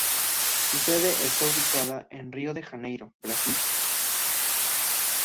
Su sede está ubicada en Rio de Janeiro, Brasil.